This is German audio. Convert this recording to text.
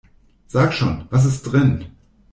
Sag schon, was ist drin?